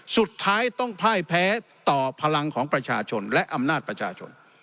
สุดท้ายต้องพ่ายแพ้ต่อพลังของประชาชนและอำนาจประชาชน